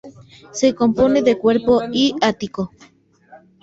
Se compone de cuerpo y ático.